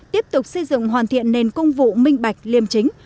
tiếp tục xây dựng hoàn thiện nền công vụ minh bạch liêm chính